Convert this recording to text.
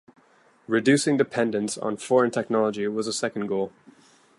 Reducing dependence on foreign technology was a second goal.